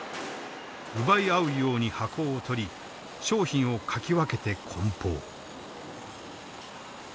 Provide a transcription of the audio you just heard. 奪い合うように箱を取り商品をかき分けてこん包。